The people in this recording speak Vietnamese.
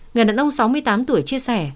người đàn ông sáu mươi tám tuổi chia sẻ